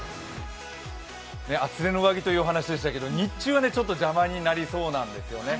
厚手の上着というお話でしたけど、日中はちょっと邪魔になりそうなんですよね。